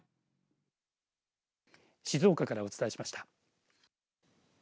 静岡からお伝えしました。